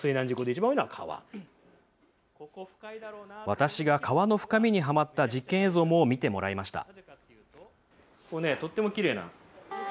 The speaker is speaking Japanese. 私が川の深みにはまった実験映像も見てもらいました。